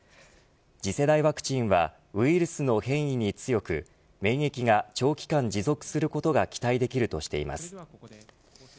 次世代ワクチンはウイルスの変異に強く免疫が長期間持続することが期待できるとしています。